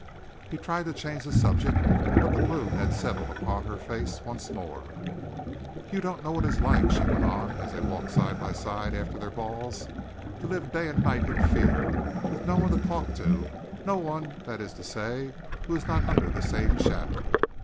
He tried to change the subject, but the gloom had settled upon her face once more. "You don't know what it is like," she went on, as they walked side by side after their balls, "to live day and night in fear, with no one to talk to no one, that is to say, who is not under the same shadow.